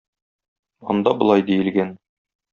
Анда болай диелгән: